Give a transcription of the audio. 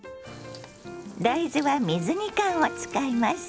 大豆は水煮缶を使います。